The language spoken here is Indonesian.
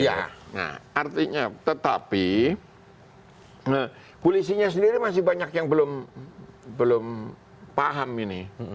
iya nah artinya tetapi polisinya sendiri masih banyak yang belum paham ini